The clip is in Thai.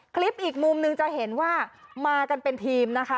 คลิปอีกมุมหนึ่งจะเห็นว่ามากันเป็นทีมนะคะ